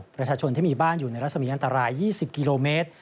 ประชาชนที่มีบ้านอยู่ในรัศมีอันตราย๒๐กิโลเมตร